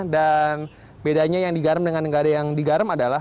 dan bedanya yang digarem dengan yang tidak digarem adalah